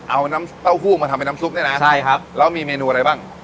เอาน้ำเต้าหู้มาทำเป็นน้ำซุปเนี่ยนะใช่ครับแล้วมีเมนูอะไรบ้าง